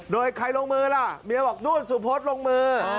โดยใครลงมือล่ะเมียบอกนู่นสุพธลงมือ